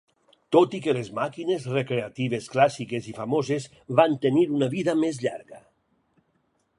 Tot i que les màquines recreatives clàssiques i famoses van tenir una vida més llarga.